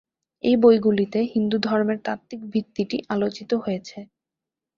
এই বইগুলিতে হিন্দুধর্মের তাত্ত্বিক ভিত্তিটি আলোচিত হয়েছে।